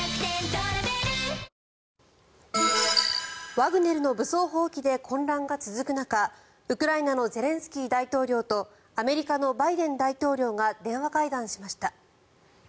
ワグネルの武装蜂起で混乱が続く中ウクライナのゼレンスキー大統領とアメリカのバイデン大統領が電話会談しました。